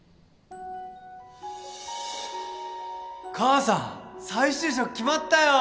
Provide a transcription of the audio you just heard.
母さん再就職決まったよ。